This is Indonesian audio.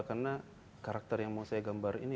karena karakter yang mau saya gambar ini